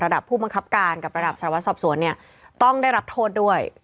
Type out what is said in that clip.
ผู้บังคับการกับระดับสารวัตรสอบสวนเนี่ยต้องได้รับโทษด้วย